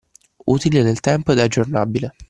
Utile nel tempo ed aggiornabile